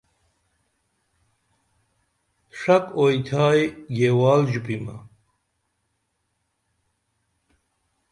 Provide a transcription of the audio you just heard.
ݜک اُوتھیائی گیوال ژوپیمہ